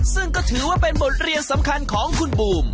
ซึ่งก็ถือว่าเป็นบทเรียนสำคัญของคุณบูม